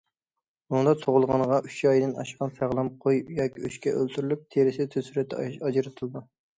بۇنىڭدا تۇغۇلغىنىغا ئۈچ ئايدىن ئاشقان ساغلام قوي ياكى ئۆچكە ئۆلتۈرۈلۈپ، تېرىسى تېز سۈرئەتتە ئاجرىتىلىدۇ.